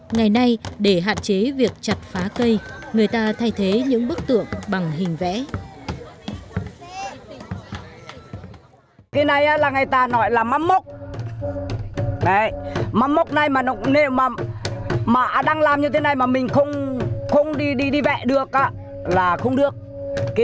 ngày nay để hạn chế việc chặt phá cây người ta thay thế những bức tượng bằng hình vẽ